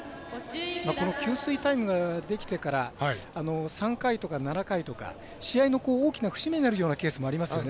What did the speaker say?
この給水タイムができてから３回とか７回とか試合の大きな節目になるようなケースもありますよね。